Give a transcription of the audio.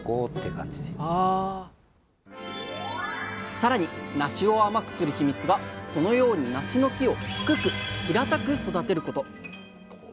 さらになしを甘くするヒミツがこのようになしの木を低く平たく育てること。